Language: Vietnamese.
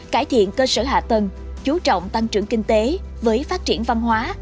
cải thiện cơ sở hạ tầng chú trọng tăng trưởng kinh tế với phát triển văn hóa